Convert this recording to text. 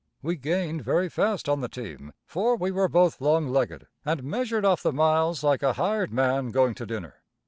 We gained very fast on the team, for we were both long legged and measured off the miles like a hired man going to dinner.